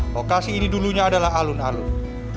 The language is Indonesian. lokasi ini dulunya adalah alun alun